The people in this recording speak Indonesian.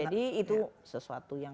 jadi itu sesuatu yang